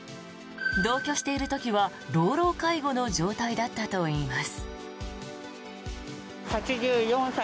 同居している時は老老介護の状態だったといいます。